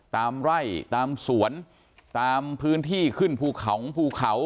ตามไร่ตามสวนตามพื้นที่ขึ้นภูเขาภูเขา